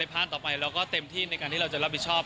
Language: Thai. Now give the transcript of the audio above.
พลาดต่อไปเราก็เต็มที่ในการที่เราจะรับผิดชอบ